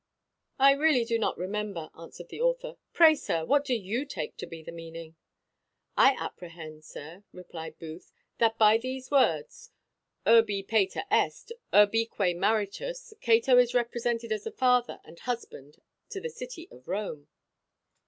"I really do not remember," answered the author. "Pray, sir, what do you take to be the meaning?" "I apprehend, sir," replied Booth, "that by these words, Urbi Pater est, urbique Maritus, Cato is represented as the father and husband to the city of Rome."